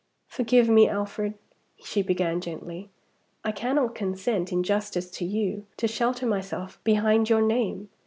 "Forgive me, Alfred!" she began, gently. "I cannot consent, in justice to you, to shelter myself behind your name.